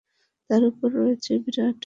তার উপর রয়েছে বিরাট ফোয়ারা।